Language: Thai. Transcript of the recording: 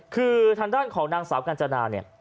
คือทางด้านของนางสาวกัญจนาเนี่ย